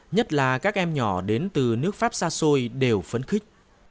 nhất là các em nhỏ đến từ nước pháp xa xôi đều phấn khích